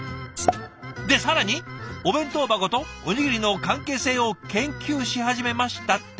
で更に「お弁当箱とおにぎりの関係性を研究し始めました」って。